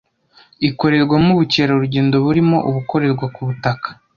ikorerwamo ubukerarugendo burimo ubukorerwa ku butaka,